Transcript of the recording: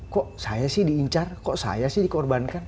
kok saya sih diincar kok saya sih dikorbankan